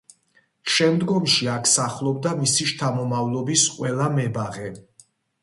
შემდგომში აქ სახლობდა მისი შთამომავლობის ყველა მებაღე.